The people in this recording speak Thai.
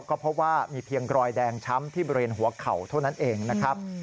ก็พบว่ามีเพียงรอยแดงช้ำที่บริเวณหัวเข่าเท่านั้นเองนะครับ